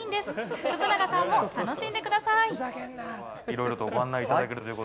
徳永さんも楽しんでください。